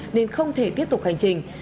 nên không thể tiếp tục hành trình